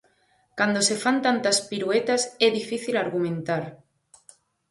Cando se fan tantas piruetas, é difícil argumentar.